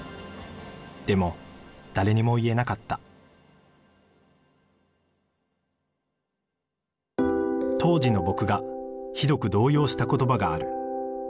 でも誰にも言えなかった当時の僕がひどく動揺した言葉がある。